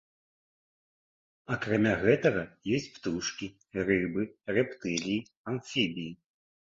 Акрамя гэтага ёсць птушкі, рыбы, рэптыліі, амфібіі.